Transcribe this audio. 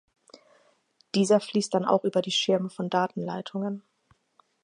Dieser fließt dann auch über die Schirme von Datenleitungen.